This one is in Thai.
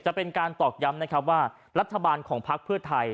จะเป็นการตอกย้ำนะครับว่ารัฐบาลของพักเพื่อไทย